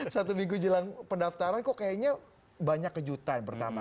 satu minggu jelang pendaftaran kok kayaknya banyak kejutan pertama